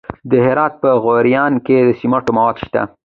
د هرات په غوریان کې د سمنټو مواد شته.